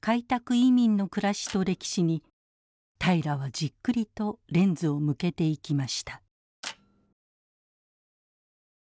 移民の暮らしと歴史に平良はじっくりとレンズを向けていきました。